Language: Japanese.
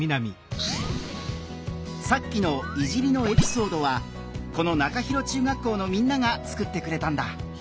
さっきの「いじり」のエピソードはこの中広中学校のみんなが作ってくれたんだ。